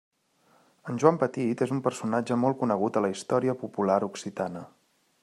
En Joan Petit és un personatge molt conegut a la història popular occitana.